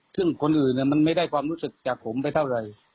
ซึ่งคนอื่นมันไม่ได้ความรู้สึกจากผมไปเท่าไหร่